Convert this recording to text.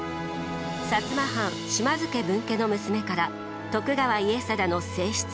摩藩島津家分家の娘から徳川家定の正室に。